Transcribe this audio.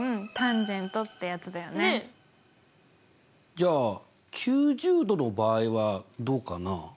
じゃあ９０°の場合はどうかな？